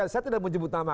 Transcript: saya tidak mau jubuh sama